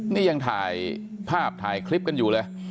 นี่ยังถ่ายคลิปกันอยู่เลย